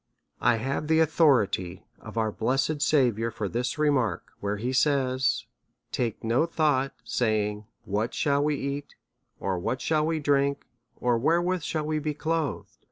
I have the authority of our blessed Saviour for this re mark, where he says. Take no thought, saijing, What shall we eat, or ivhat shall tec drink, or wherewithal shall we be clothed